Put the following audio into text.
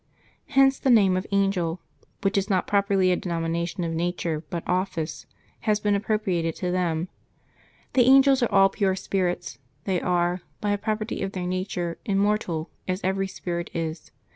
Hence the name of Angel (which is not properly a denomination of nature, but* office) has been appropriated to them. The angels are May 8] LIVES OF THE SAINTS 173 all pure spirits; they are, by a property of their nature, immortal, as every spirit is.